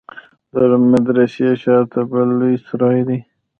د مدرسې شا ته بل لوى سراى دى.